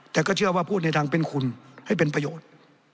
แต่ก็เชื่อว่าพูดในทางเป็นคุณให้เป็นประโยชน์